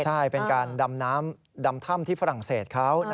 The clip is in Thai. ใช่เป็นการดำน้ำดำถ้ำที่ฝรั่งเศสเขา